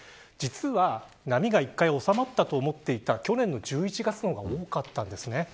実は、波が１回おさまったと思っていた去年の１１月の方が多かったんですね。